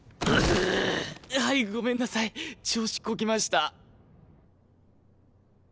はいごめんなさい調子こきました。